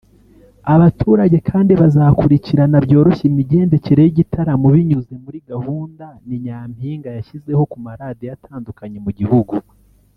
Abaturage kandi bazakurikirana byoroshye imigendekere y’igitaramo binyuze muri gahunda Ni Nyampinga yashyizeho ku maradiyo atandukanye mu gihugu